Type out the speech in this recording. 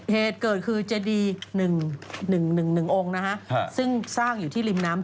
เหตุเกิดคือเจดี๑๑องค์นะฮะซึ่งสร้างอยู่ที่ริมน้ำ